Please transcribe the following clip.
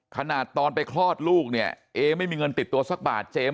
ขนาดตอนไปคลอดลูกเนี่ยเอไม่มีเงินติดตัวสักบาทเจมส